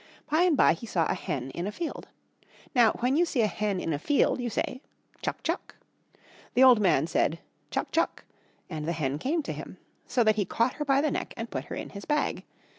By and by he saw a hen in a field. Now when you see a hen in a field you say "Chuck, chuck!" The old man said "Chuck, chuck!" And the hen came to him. So that he caught her by the neck and put her in his bag.